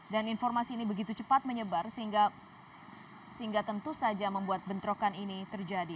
dan informasi ini begitu cepat menyebar sehingga tentu saja membuat bentrokan ini terjadi